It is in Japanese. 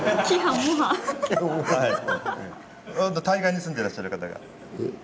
対岸に住んでらっしゃる方が。